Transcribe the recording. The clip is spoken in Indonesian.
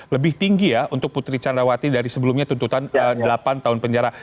lebih tinggi ya untuk putri candrawati dari sebelumnya tuntutan delapan tahun penjara